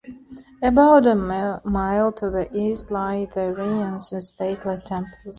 About a mile to the east lie the ruins of stately temples.